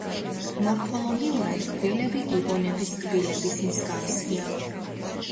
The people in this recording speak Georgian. მორფოლოგიურად კბილები გიბონების კბილების მსგავსია.